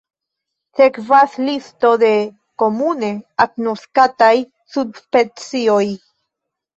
Sekvas listo de komune agnoskataj subspecioj.